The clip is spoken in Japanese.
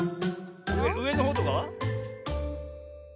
うえのほうとかは？